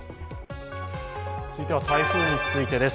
続いては台風についてです。